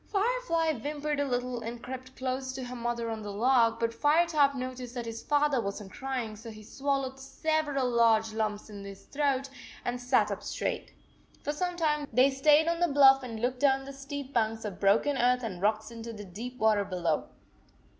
Firefly whimpered a little and crept close to her mother on the log, but Firetop noticed that his father was n t crying, so he swal lowed several large lumps in his throat and no sat up straight. For some time they stayed on the bluff and looked down the steep banks of broken earth and rocks into the deep water below.